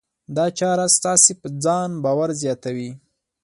دا چاره ستاسې په ځان باور زیاتوي.